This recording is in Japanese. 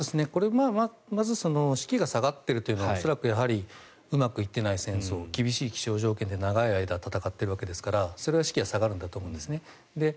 これは士気が下がっているというのは恐らくやはりうまくいっていない戦争厳しい気象条件で長い間戦っているわけですからそれは士気が下がるんだと思います。